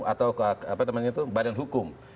atau apa namanya itu badan hukum